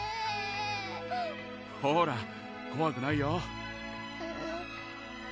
ほらこわくないよ